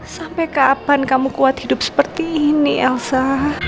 sampai kapan kamu kuat hidup seperti ini elsa